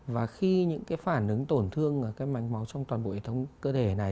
và khi những cái phản ứng tổn thương ở cái mạch máu trong toàn bộ hệ thống cơ thể này